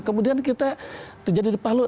kemudian kita terjadi di palu